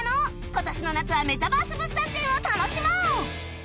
今年の夏はメタバース物産展を楽しもう！